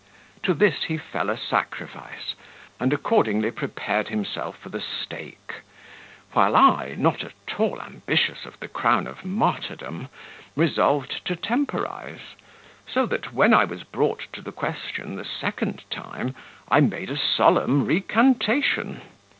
To this he fell a sacrifice, and accordingly prepared himself for the stake; while I, not at all ambitious of the crown of martyrdom, resolved to temporize; so that, when I was brought to the question the second time, I made a solemn recantation.